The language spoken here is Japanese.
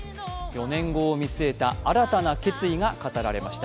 ４年後を見据えた新たな決意が語られました。